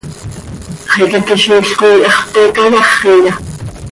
¿Xicaquiziil coi iihax pte cayáxiya?